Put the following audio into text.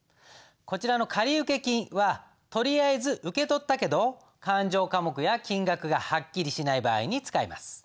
こちらの仮受金はとりあえず受け取ったけど勘定科目や金額がはっきりしない場合に使います。